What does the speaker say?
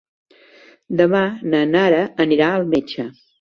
Demà na Nara anirà al metge.